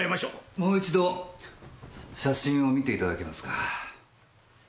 もう一度写真を見ていただけますか。